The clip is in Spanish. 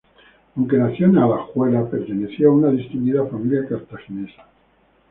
Aunque nacido en Alajuela, perteneció a una distinguida familia cartaginesa.